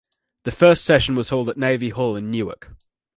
The first session was held at Navy Hall in Newark.